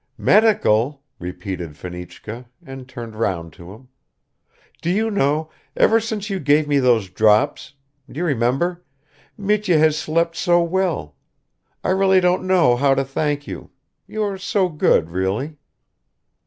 "Medical?" repeated Fenichka, and turned round to him. "Do you know, ever since you gave me those drops do you remember? Mitya has slept so well. I really don't know how to thank you; you are so good, really."